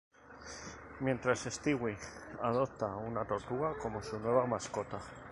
Mientras, Stewie adopta a una tortuga como su nueva mascota.